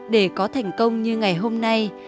để có thành công như ngày hôm nay